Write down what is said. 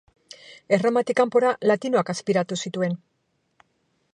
Erromatik kanpora, latinoak azpiratu zituen.